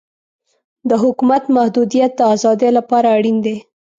د حکومت محدودیت د ازادۍ لپاره اړین دی.